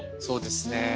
そうですね。